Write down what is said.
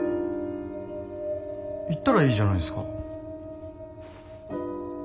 行ったらいいじゃないですか。